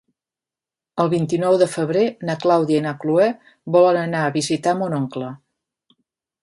El vint-i-nou de febrer na Clàudia i na Cloè volen anar a visitar mon oncle.